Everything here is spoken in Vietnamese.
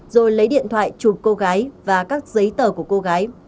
rồi lấy điện thoại chụp cô gái và các giấy tờ của cô gái